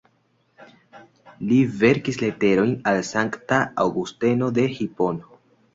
Li verkis leterojn al Sankta Aŭgusteno de Hipono.